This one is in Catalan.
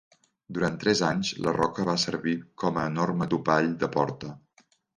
Durant tres anys, la roca va servir com a enorme topall de porta.